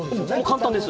簡単です。